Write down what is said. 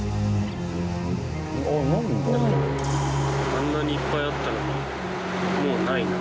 あんなにいっぱいあったのにもうないな。